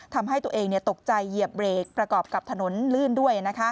ทำให้ตัวเองตกใจเหยียบเบรกประกอบกับถนนลื่นด้วย